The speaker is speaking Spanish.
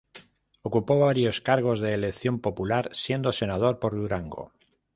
Ocupó varios cargos de elección popular, siendo senador por Durango.